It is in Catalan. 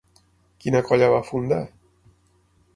Quina colla va fundar?